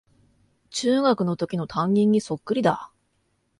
中学のときの担任にそっくりだ